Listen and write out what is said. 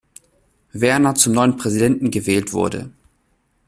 Werner zum neuen Präsidenten gewählt wurde.